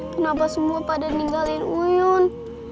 kenapa semua pada ninggalin uyun